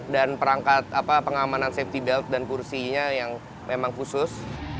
dan perangkat pengamanan safety belt dan kursinya yang memang khusus